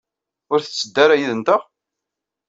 Ur tetteddu ara yid-nteɣ?